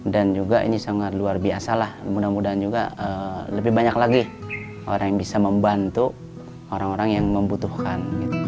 dan juga ini sangat luar biasa lah mudah mudahan juga lebih banyak lagi orang yang bisa membantu orang orang yang membutuhkan